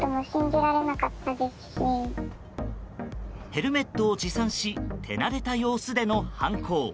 ヘルメットを持参し手慣れた様子での犯行。